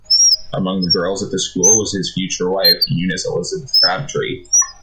Among the girls at the school was his future wife, Eunice Elizabeth Crabtree.